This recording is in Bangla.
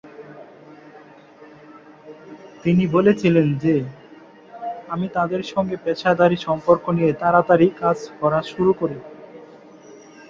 তিনি বলেছিলেন যে, 'আমি তাঁদের সঙ্গে পেশাদারি সম্পর্ক নিয়ে তাড়াতাড়ি কাজ করা শুরু করি।'